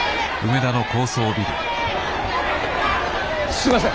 すいません！